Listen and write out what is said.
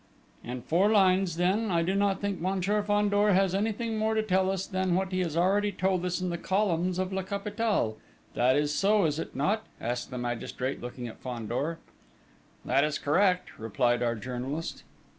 "In four lines then. I do not think Monsieur Fandor has anything more to tell us than what he has already told us in the columns of La Capitale. That is so, is it not?" asked the magistrate, looking at Fandor. "That is correct," replied our journalist.